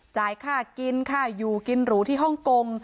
จ่ายค่ากินค่าอยู่กินหรูที่ฮ่องกง